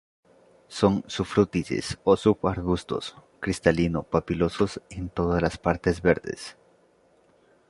Son sufrútices o subarbustos, cristalino-papilosos en todas las partes verdes.